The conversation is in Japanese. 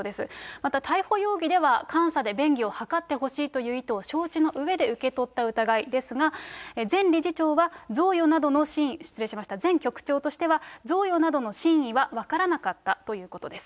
また逮捕容疑では、監査で便宜を図ってほしいという意図を承知の上で受け取った疑いですが、前理事長は贈与などの、前局長としては、贈与などの真意は分からなかったということです。